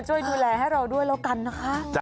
ช่วยดูแลให้เราด้วยแล้วกันนะคะ